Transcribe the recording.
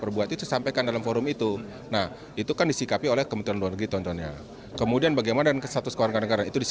bapak komjen paul soehardi alius